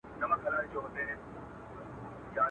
o غل چي غلا کوي، قرآن په بغل کي ورسره گرځوي.